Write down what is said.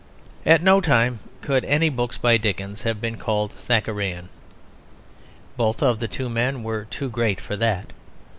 At no time could any books by Dickens have been called Thackerayan. Both of the two men were too great for that.